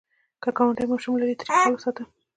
که ګاونډی ماشوم لري، ترې خیال وساته